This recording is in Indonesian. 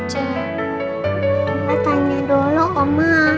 oma tanya dulu oma